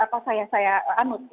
atau saya anut